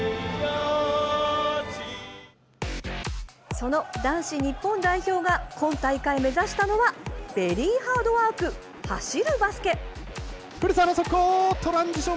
その男子日本代表が今大会、目指したのはベリーハードワーク走るバスケ。